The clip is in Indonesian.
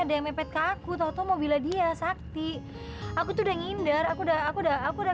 ada yang mepet kaku tau taw mobil dia sakti aku sudah menghindar aku da aku da aku udah